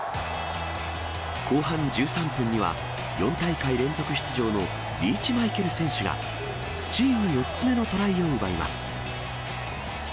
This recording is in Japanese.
後半１３分には、４大会連続出場のリーチマイケル選手が、チーム４つ目のトライを奪います。